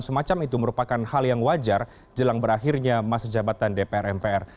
dan semacam itu merupakan hal yang wajar jelang berakhirnya mas jabatan dpr mpr